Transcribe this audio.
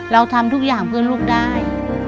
เราทำทุกอย่างเพื่อลูกได้